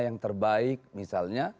yang terbaik misalnya